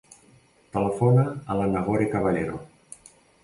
Telefona a la Nagore Caballero.